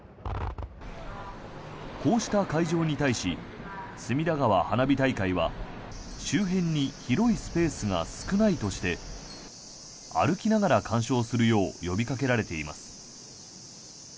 こうした会場に対し隅田川花火大会は周辺に広いスペースが少ないとして歩きながら観賞するよう呼びかけられています。